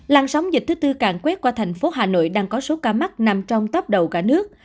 lan sóng dịch thứ tư càng quét qua thành phố hà nội đang có số ca mắc nằm trong tóp đầu cả nước